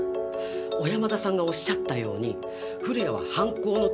小山田さんがおっしゃったように古谷は犯行の